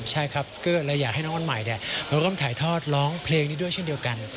ใช่ครับก็เลยอยากให้น้องวันใหม่มาร่วมถ่ายทอดร้องเพลงนี้ด้วยเช่นเดียวกัน